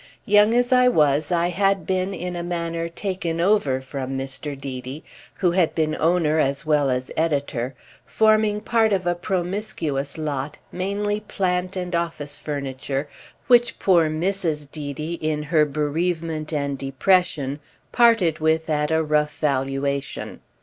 Young as I was I had been in a manner taken over from Mr. Deedy, who had been owner as well as editor; forming part of a promiscuous lot, mainly plant and office furniture, which poor Mrs. Deedy, in her bereavement and depression, parted with at a rough valuation.